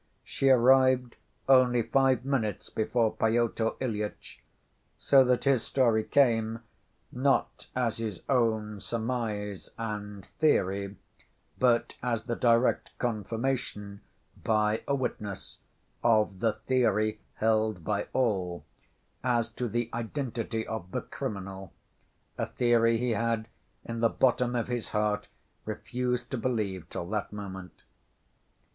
She arrived only five minutes before Pyotr Ilyitch, so that his story came, not as his own surmise and theory, but as the direct confirmation, by a witness, of the theory held by all, as to the identity of the criminal (a theory he had in the bottom of his heart refused to believe till that moment).